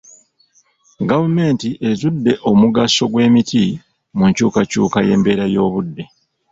Gavumenti ezudde omugaso gw'emiti mu nkyukakyuka y'embeera y'obudde.